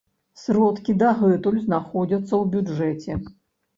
Сродкі дагэтуль знаходзяцца ў бюджэце.